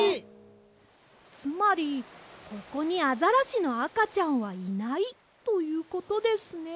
つまりここにアザラシのあかちゃんはいないということですね。